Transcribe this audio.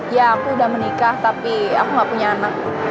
ya aku udah menikah tapi aku gak punya anak